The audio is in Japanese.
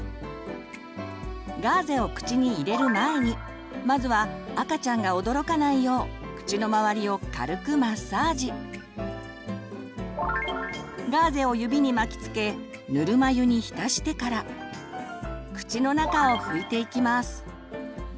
ガーゼを口に入れる前にまずは赤ちゃんが驚かないようガーゼを指に巻きつけぬるま湯に浸してから口の中を拭いていきます。